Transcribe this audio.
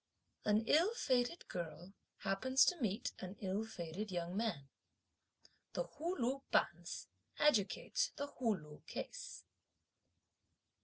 An ill fated girl happens to meet an ill fated young man. The Hu Lu Bonze adjudicates the Hu Lu case.